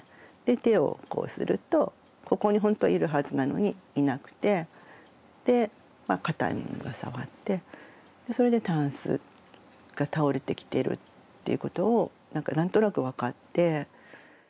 手をこうするとここに本当はいるはずなのにいなくてでかたいものが触ってそれでタンスが倒れてきているっていうことをなんとなく分かって。